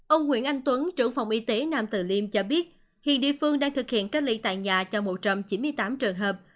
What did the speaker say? ông nguyễn anh tuấn trưởng phòng y tế nam tử liêm cho biết hiện địa phương đang thực hiện cách ly tại nhà cho một trăm chín mươi tám trường hợp